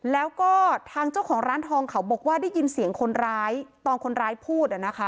แล้วก็ทางเจ้าของร้านทองเขาบอกว่าได้ยินเสียงคนร้ายตอนคนร้ายพูด